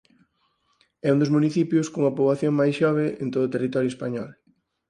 É un dos municipios cunha poboación máis xove en todo o territorio español.